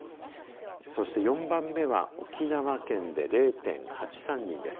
そして、４番目は沖縄県で０．８３人です。